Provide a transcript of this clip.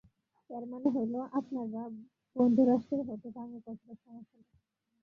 এর মানে হলো, আপনার বা বন্ধুরাষ্ট্রের হাতে পারমাণবিক অস্ত্র সমস্যা নয়।